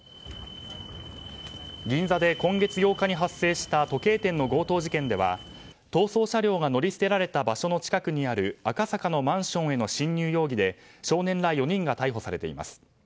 銀座で今月８日に発生した時計店の強盗事件では逃走車両が乗り捨てられた場所の近くにある赤坂のマンションへの侵入容疑で少年ら４人が逮捕されています。